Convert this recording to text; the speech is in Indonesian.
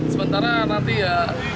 sementara nanti ya